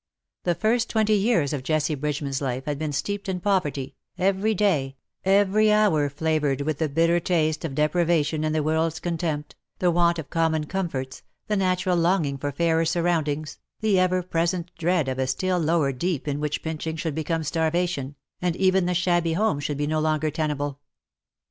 The first twenty years of Jessie Bridgeman''s life had been steeped in poverty, every day, every hour flavoured with the bitter taste of deprivation and the workVs contempt, the want of common comforts, the natural longing for fairer surroundings, the ever ju^sent dread of a still lower deep in which pinching should become starva tion, and even the shabby home should be no longer tenable.